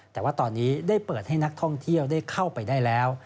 แต่ว่าตอนนี้ได้เปิดให้นักท่องเที่ยวได้เข้าไปได้แล้ว